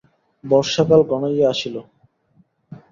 বর্ষাকাল ঘনাইয়া আসিল।